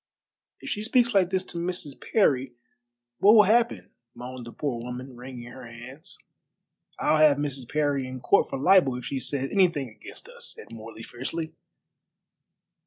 "If she speaks like this to Mrs. Parry, what will happen?" moaned the poor woman, wringing her hands. "I'll have Mrs. Parry in court for libel if she says anything against us," said Morley fiercely.